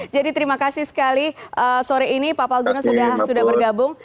jadi terima kasih sekali sore ini pak palguna sudah bergabung